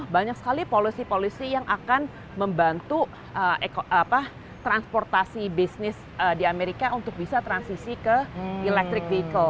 banyak sekali polusi polusi yang akan membantu transportasi bisnis di amerika untuk bisa transisi ke electric vehicle